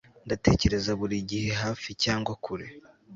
ndatekereza buri gihe hafi cyangwa kure